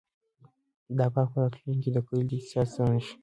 دا باغ به په راتلونکي کې د کلي د اقتصاد ستنه شي.